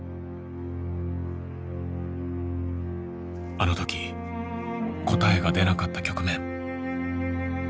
あの時答えが出なかった局面。